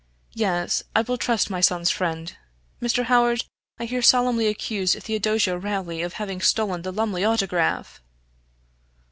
"Yes, I will trust my son's friend. Mr. Howard, I here solemnly accuse Theodosia Rowley of having stolen the Lumley Autograph!"